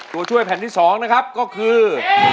ตัวช่วยแผ่นที่๒นะครับก็คือ